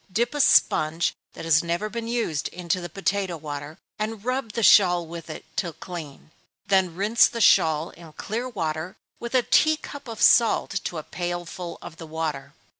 Dip a sponge, that has never been used, into the potato water, and rub the shawl with it till clean; then rinse the shawl in clear water, with a tea cup of salt to a pailful of the water.